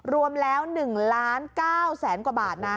รวมแล้วหนึ่งล้านเก้าแสนกว่าบาทนะ